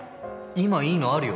今いいのあるよ